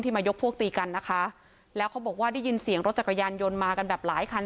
มายกพวกตีกันนะคะแล้วเขาบอกว่าได้ยินเสียงรถจักรยานยนต์มากันแบบหลายคัน